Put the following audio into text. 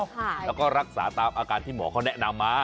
แล้วก็รักษาตามอาการที่หมอเขาแนะนำมา